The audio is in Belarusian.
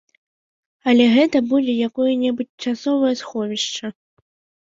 Але гэта будзе якое-небудзь часовае сховішча.